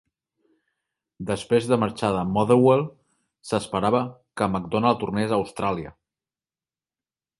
Després de marxar de Motherwell, s'esperava que McDonald tornés a Austràlia.